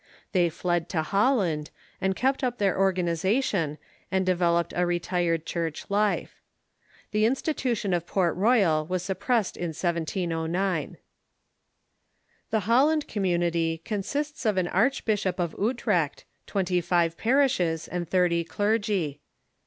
They fled to Holland, and kept up their organization, and developed a retired church life. The institution of Port Royal Avas suppressed in 1709. The Holland Community consists of an archbishop of Utrecht, twenty five parishes, and thirty clergy.